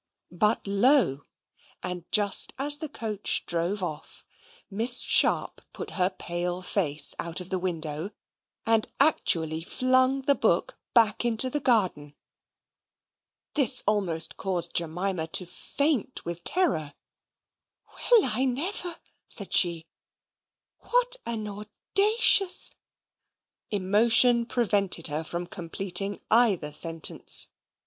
But, lo! and just as the coach drove off, Miss Sharp put her pale face out of the window and actually flung the book back into the garden. This almost caused Jemima to faint with terror. "Well, I never" said she "what an audacious" Emotion prevented her from completing either sentence.